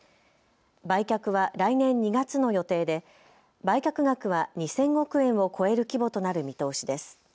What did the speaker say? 売却は来年２月の予定で売却額は２０００億円を超える規模となる見通しです。